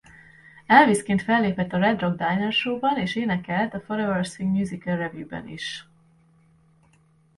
Elvis-ként fellépett a Red-Rock-Diner-Show-ban és énekelt a Forever Swing musical-revue-ben.